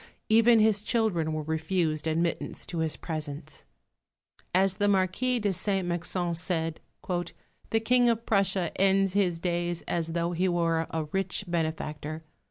Even his children were refused admittance to his presence. As the Marquis de Saint Mexent said, "The King of Prussia ends his days as though he were a rich benefactor.